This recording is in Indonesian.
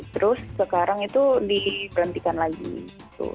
terus sekarang itu di perhentikan lagi gitu